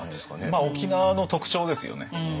まあ沖縄の特徴ですよね。